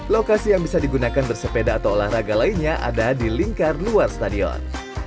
lokasi yang bisa digunakan bersepeda atau olahraga lainnya ada di lingkar luar stadion